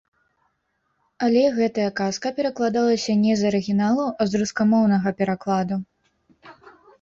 Але гэтая казка перакладалася не з арыгіналу, а з рускамоўнага перакладу.